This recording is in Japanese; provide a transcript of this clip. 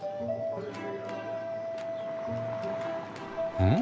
うん？